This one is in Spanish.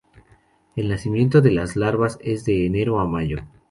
El nacimiento de las larvas es de enero a mayo.